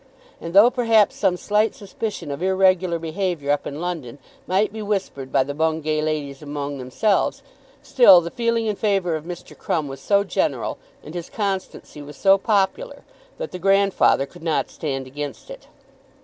And though perhaps some slight suspicion of irregular behaviour up in London might be whispered by the Bungay ladies among themselves, still the feeling in favour of Mr. Crumb was so general, and his constancy was so popular, that the grandfather could not stand against it.